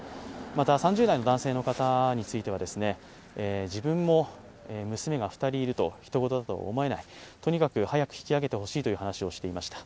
また、３０代の男性の方については、自分も娘が２人いると、ひと事とは思えない、とにかく早く引き揚げてほしいという話をしていました。